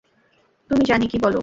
তুমি জানি কী বলো?